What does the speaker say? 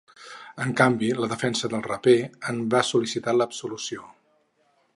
En canvi, la defensa del raper en va sol·licitar l’absolució.